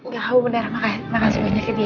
gak mau bener makan makan sebanyaknya di